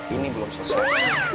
ini belum selesai